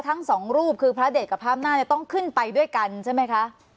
ทั้งสองรูปคือพระเดชกับพระอำนาจเนี่ยต้องขึ้นไปด้วยกันใช่ไหมคะ